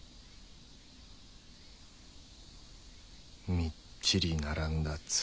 みっちり並んだ粒。